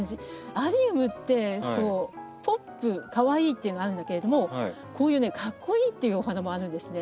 アリウムってポップかわいいっていうのはあるんだけれどもこういうカッコイイっていうお花もあるんですね。